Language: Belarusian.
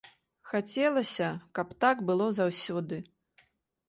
Хацелася, каб так было заўсёды.